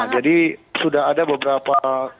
nah jadi sudah ada beberapa